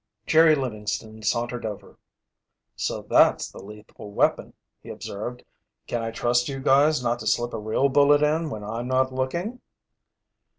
Jerry Livingston sauntered over. "So that's the lethal weapon," he observed. "Can I trust you guys not to slip a real bullet in when I'm not looking?"